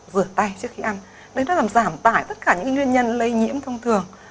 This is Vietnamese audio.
rửa tay trước khi ăn nên nó làm giảm tải tất cả những nguyên nhân lây nhiễm thông thường